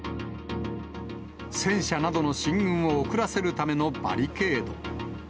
戦車などの進軍を遅らせるためのバリケード。